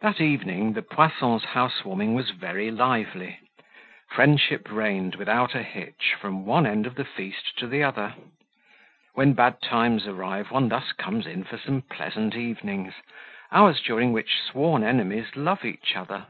That evening the Poissons' house warming was very lively. Friendship reigned without a hitch from one end of the feast to the other. When bad times arrive one thus comes in for some pleasant evenings, hours during which sworn enemies love each other.